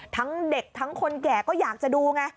ทั้งเด็กทั้งคนแก่ก็อยากจะดูไง